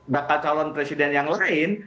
bakal calon presiden yang lain